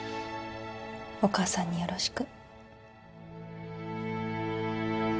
お母さんによろしく。